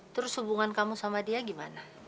terus hubungan kamu sama dia gimana